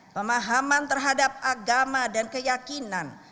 pemahaman terhadap agama dan keyakinan